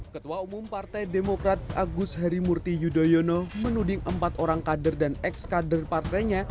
ketua umum partai demokrat agus harimurti yudhoyono menuding empat orang kader dan ex kader partainya